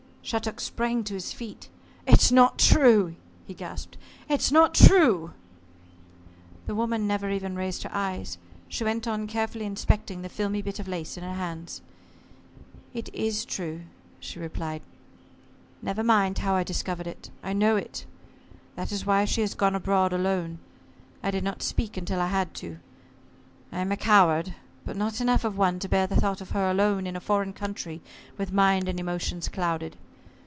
Shattuck sprang to his feet. "It's not true!" he gasped. "It's not true!" The woman never even raised her eyes. She went on carefully inspecting the filmy bit of lace in her hands. "It is true," she replied. "Never mind how I discovered it. I know it. That is why she has gone abroad alone. I did not speak until I had to. I am a coward, but not enough of one to bear the thought of her alone in a foreign country with mind and emotions clouded.